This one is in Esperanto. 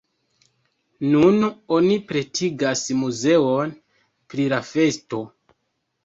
Nun oni pretigas muzeon pri la festo.